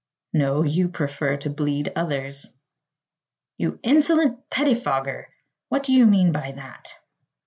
"No; you prefer to bleed others." "You insolent pettifogger! What do you mean by that?"